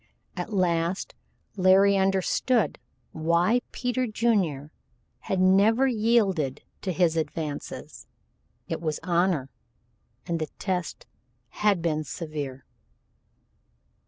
At last Larry understood why Peter Junior had never yielded to his advances. It was honor, and the test had been severe.